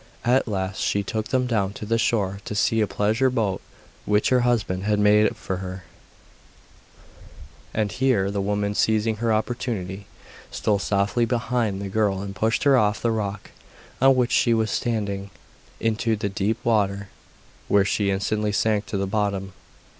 At last she took them down to the shore to see a pleasure boat which her husband had had made for her; and here, the woman seizing her opportunity, stole softly behind the girl and pushed her off the rock on which she was standing, into the deep water, where she instantly sank to the bottom.